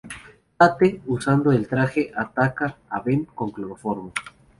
Tate, usando el traje, ataca a Ben con cloroformo.